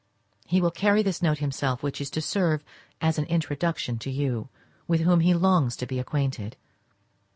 He will carry this note himself, which is to serve as an introduction to you, with whom he longs to be acquainted.